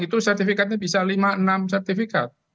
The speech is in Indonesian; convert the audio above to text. itu sertifikatnya bisa lima enam sertifikat